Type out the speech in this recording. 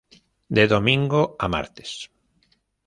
De domingo a martes.